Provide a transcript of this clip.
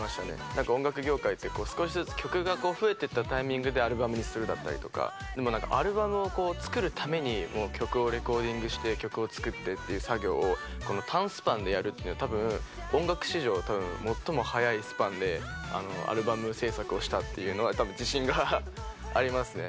なんか音楽業界って、少しずつ曲が増えていったタイミングでアルバムにするだったりとか、なんかアルバムを作るために曲をレコーディングして曲を作ってっていう作業をこの短スパンでやるっていうのは、たぶん、音楽史上たぶん最も早いスパンでアルバム制作をしたっていうのは、たぶん自信がありますね。